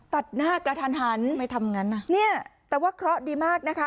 ตัดหน้ากระทันหันไม่ทำงั้นอ่ะเนี่ยแต่ว่าเคราะห์ดีมากนะคะ